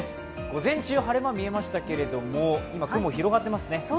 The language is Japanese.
午前中晴れ間が見えましたけれども、今、雲が広がってますね。